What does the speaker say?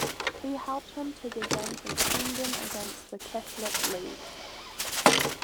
He helped him to regain his kingdom against the Catholic League.